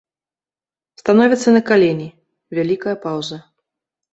Становіцца на калені, вялікая паўза.